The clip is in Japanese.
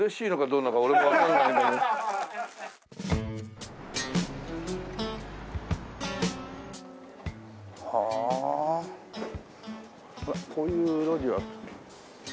うわっこういう路地は。